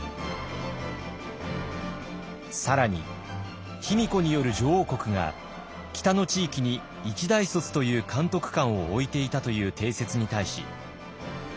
更に卑弥呼による女王国が北の地域に一大卒という監督官を置いていたという定説に対し。